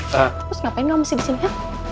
terus ngapain kamu masih disini ya